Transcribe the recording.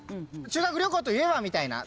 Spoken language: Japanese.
修学旅行といえばみたいな。